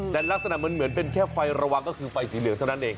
แต่ลักษณะเหมือนเป็นแค่ไฟระวังก็คือไฟสีเหลืองเท่านั้นเอง